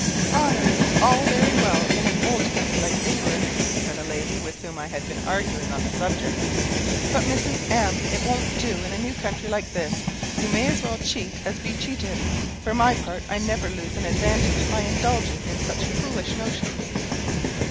"Honour is all very well in an old country like England," said a lady, with whom I had been arguing on the subject; "but, Mrs. M , it won't do in a new country like this. You may as well cheat as be cheated. For my part, I never lose an advantage by indulging in such foolish notions."